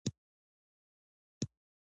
نثار احمد بهاوي ښه مبارز و.